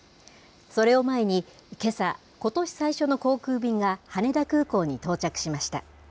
それを前に、けさ、ことし最初の航空便が羽田空港に到着しました。